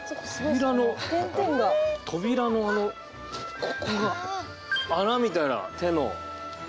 扉の扉のあのここが穴みたいな手の。